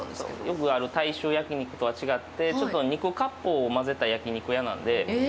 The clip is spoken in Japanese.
よくある大衆焼き肉とは違ってちょっと肉割烹をまぜた焼き肉屋なんで。